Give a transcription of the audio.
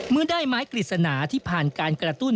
เมื่อได้ไม้กฤษณาที่ผ่านการกระตุ้น